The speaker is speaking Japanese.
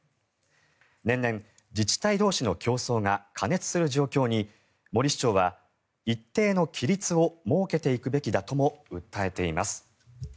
年々、自治体同士の競争が過熱する状況に森市長は一定の規律を設けていくべきだとも訴えています。